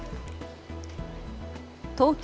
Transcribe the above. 東京